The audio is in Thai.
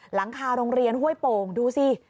หลังคาโรงเรียนห้วยโป่งดูสิ